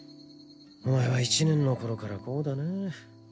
お前は１年の頃からこうだな